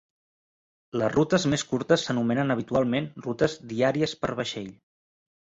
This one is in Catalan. Les rutes més curtes s'anomenen habitualment rutes "diàries per vaixell".